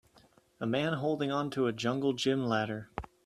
A man holding onto a jungle gym ladder.